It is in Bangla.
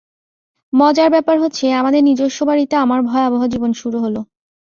মজার ব্যাপার হচ্ছে, আমাদের নিজস্ব বাড়িতে আমার ভয়াবহ জীবন শুরু হল।